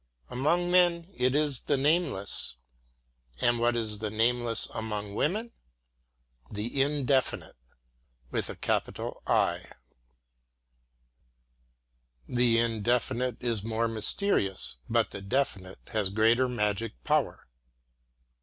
Among men it is the nameless. And what is the nameless among women? The Indefinite. The Indefinite is more mysterious, but the Definite has greater magic power.